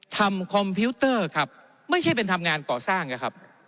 คอมพิวเตอร์ครับไม่ใช่เป็นทำงานก่อสร้างนะครับ